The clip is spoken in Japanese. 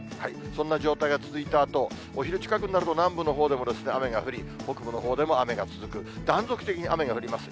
そんな状態が続いたあと、お昼近くになると南部のほうでも雨が降り、北部のほうでも雨が続く、断続的に雨が降ります。